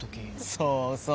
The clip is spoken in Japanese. そうそう。